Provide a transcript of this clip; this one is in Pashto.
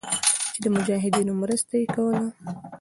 چې د مجاهدينو مرسته ئې کوله.